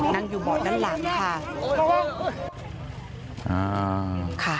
นั่งอยู่เบาะด้านหลังค่ะ